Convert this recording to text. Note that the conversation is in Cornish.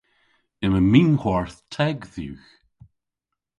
Yma minhwarth teg dhywgh.